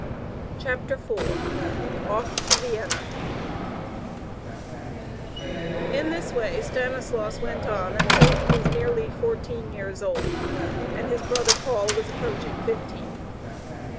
CHAPTER IV OFF TO VIENNA In this way Stanislaus went on until he was nearly fourteen years old and his brother Paul was approaching fifteen.